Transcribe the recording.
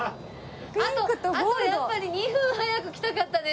あとあとやっぱり２分早く来たかったね。